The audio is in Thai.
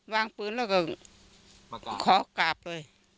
วางปืนแล้วก็ขอกราบเลย